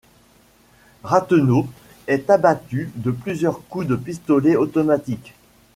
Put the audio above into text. Rathenau est abattu de plusieurs coups de pistolet automatique.